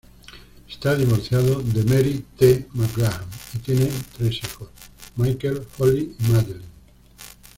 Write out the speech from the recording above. Está divorciado de Mary T. McGrath y tiene tres hijos: Michael, Holly y Madeleine.